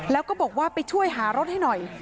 แล้วก็บอกว่าไปช่วยหารถให้หน่อย